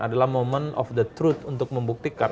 adalah momen of the thrud untuk membuktikan